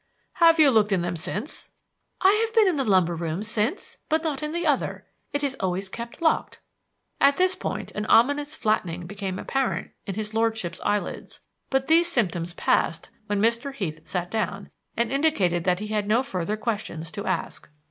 "Have you looked in them since?" "I have been in the lumber room since, but not in the other. It is always kept locked." At this point an ominous flattening became apparent in his lordship's eyelids, but these symptoms passed when Mr. Heath sat down and indicated that he had no further questions to ask.